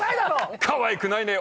かわいくないね。